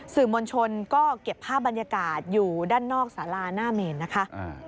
สื่อมวลชนก็เก็บภาพบรรยากาศอยู่ด้านนอกสาราหน้าเมนนะคะ